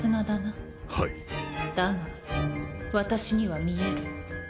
だが私には見える。